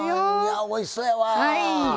はぁおいしそうやわ！